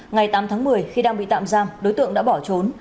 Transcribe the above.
ngày tám tháng một mươi khi đang bị tạm giam đối tượng đã bỏ trốn